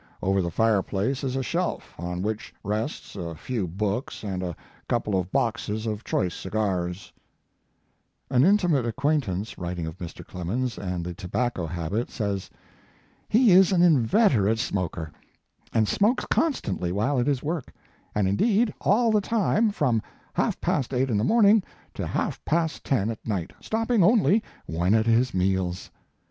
Over the fire place is a shelf, on which rests a few books and a couple of boxes of choice cigars/ An intimate acquaintance writing of Mr. Clemens and the tobacco habit says: "He is an inveterate smoker, and smokes constantly while at his work, and, indeed, all the time, from half past eight in the morning to half past ten at night, stopping only when at his meals.